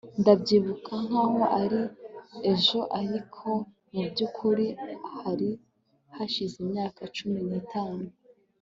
Ndabyibuka nkaho ari ejo ariko mubyukuri hari hashize imyaka cumi nitanu